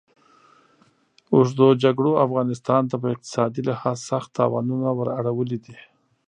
اوږدو جګړو افغانستان ته په اقتصادي لحاظ سخت تاوانونه ور اړولي دي.